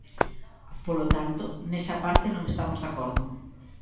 Polo tanto, nesa parte non estamos de acordo.